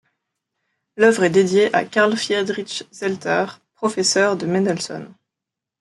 L’œuvre est dédiée à Carl Friedrich Zelter, professeur de Mendelssohn.